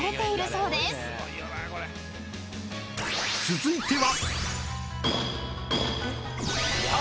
［続いては］